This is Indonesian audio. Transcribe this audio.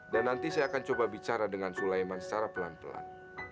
dan nanti saya akan coba bicara dengan sulaiman secara pelan pelan